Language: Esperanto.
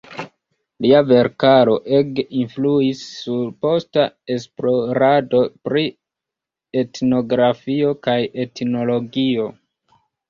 Lia verkaro ege influis sur posta esplorado pri etnografio kaj etnologio.